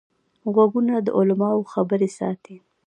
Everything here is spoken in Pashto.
غوږونه د علماوو خبرې ساتي